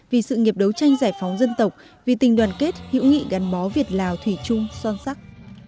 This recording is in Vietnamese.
vì sự nghiệp đấu tranh giải phóng dân tộc vì tình đoàn kết hữu nghị gắn bó việt lào thủy chung son sắc